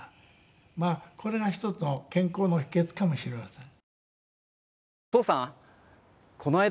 まあこれが一つの健康の秘訣かもしれません。